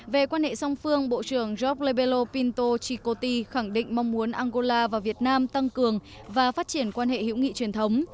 về quan hệ song phương bộ trưởng georgeo pinto chikoti khẳng định mong muốn angola và việt nam tăng cường và phát triển quan hệ hữu nghị truyền thống